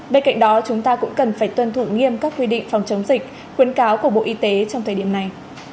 bên cạnh đó chúng ta cũng cần phải tuân thủ nghiêm các quy định phòng chống dịch khuyến cáo của bộ y tế trong thời điểm này